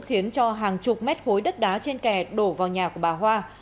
khiến cho hàng chục mét khối đất đá trên kè đổ vào nhà của bà hoa